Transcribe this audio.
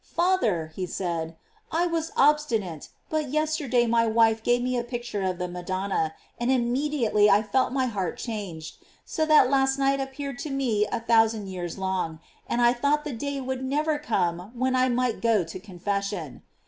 "Father," he said, "I was obstinate, but yes terday my wife gave me a picture of the Madonna, and immediately I felt my heart changed, so that last night appeared to me a thousand years long, and I thought the day would never come when I might go to con fession."